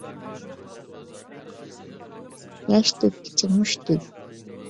ياش تۆككىچە مۇشت تۈگ.